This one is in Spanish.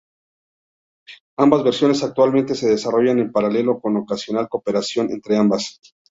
Ambas versiones actualmente se desarrollan en paralelo, con ocasional cooperación entre ambas.